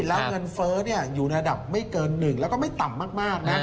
แล้วเงินเฟ้ออยู่ระดับไม่เกิน๑แล้วก็ไม่ต่ำมากนะ